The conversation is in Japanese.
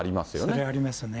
そりゃありますね。